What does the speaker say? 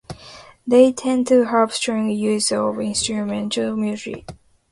They tend to have strong use of instrumental melody.